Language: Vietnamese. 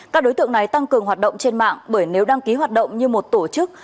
các đối tượng này tăng cường hoạt động trên mạng bởi nếu đăng ký hoạt động như một tổ chức